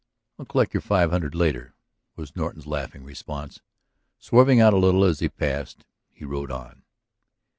"I'll collect your five hundred later," was Norton's laughing response. Swerving out a little as he passed, he rode on.